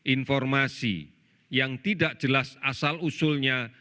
informasi yang tidak jelas asal usulnya